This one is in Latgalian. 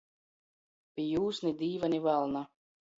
Pi jūs ni Dīva, ni valna.